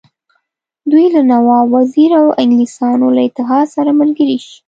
دوی له نواب وزیر او انګلیسیانو له اتحاد سره ملګري شي.